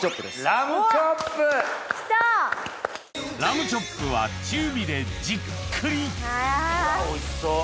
ラムチョップは中火でじっくりおいしそう！